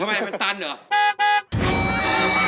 ทำไมมันตันเหรอ